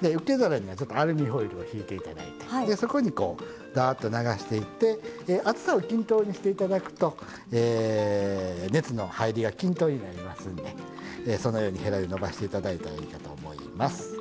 で受け皿にはちょっとアルミホイルをひいて頂いてでそこにこうだっと流していって厚さを均等にして頂くと熱の入りが均等になりますんでそのようにヘラでのばして頂いたらいいかと思います。